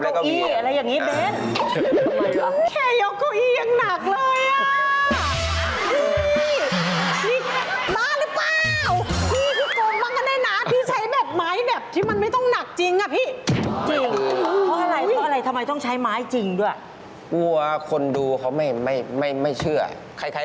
ค่าทุกอย่างก็เกือบหมื่นนะครับค่าทุกอย่างก็เกือบหมื่นนะครับ